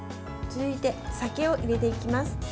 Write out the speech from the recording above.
続いて酒を入れていきます。